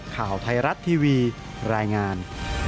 ข่าวไทยรัฐทีวีรายงาน